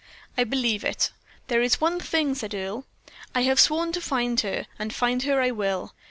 "I believe it. There is one thing," said Earle, "I have sworn to find her, and find her I will.